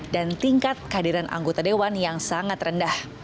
dan tingkat kehadiran anggota dewan yang sangat rendah